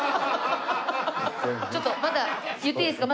ちょっとまだ言っていいですか？